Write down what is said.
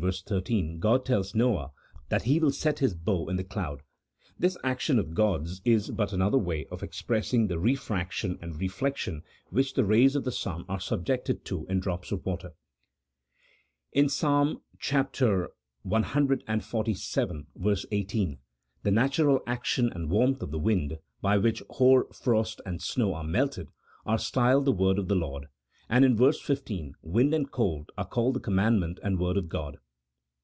13, God tells Noah that He will set His bow in the cloud ; this action of God's is but another way of expressing the refraction and reflection which the rays of the sun are subjected to in drops of water. In Psalm cxlvii. 18, the natural action and warmth of the wind, by which hoar frost and snow are melted, are styled the word of the Lord, and in verse 15 wind and cold are called the commandment and word of God.